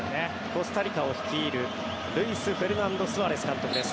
コスタリカを率いるルイス・フェルナンド・スアレス監督です。